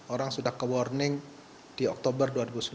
orang sudah ke warning di oktober dua ribu sembilan belas